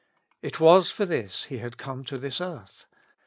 " It was for this He had come to this earth.